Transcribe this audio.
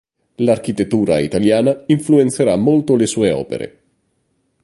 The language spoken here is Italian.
L'architettura italiana influenzerà molto le sue opere.